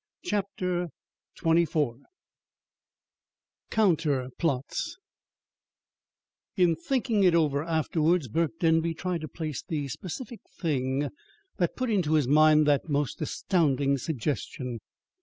CHAPTER XXIV COUNTER PLOTS In thinking it over afterwards Burke Denby tried to place the specific thing that put into his mind that most astounding suggestion.